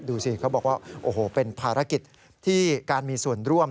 ดูสิเขาบอกว่าโอ้โหเป็นภารกิจที่การมีส่วนร่วม